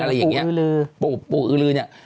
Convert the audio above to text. แบบปู่อือลือ